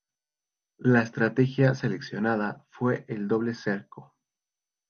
La estrategia seleccionada fue el doble cerco.